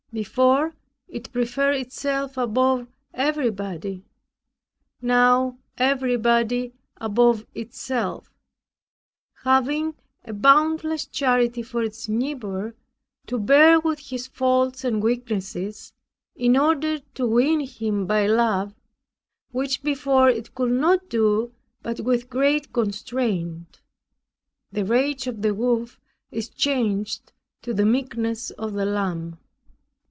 Before, it preferred itself above everybody; now everybody above itself, having a boundless charity for its neighbor, to bear with his faults and weaknesses, in order to win him by love, which before it could not do but with very great constraint. The rage of the wolf is changed to the meekness of the lamb.